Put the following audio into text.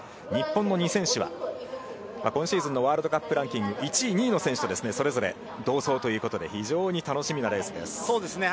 日本の２選手は今シーズンのワールドカップランキング１位、２位の選手とそれぞれ同走ということで非常に楽しみなレースです。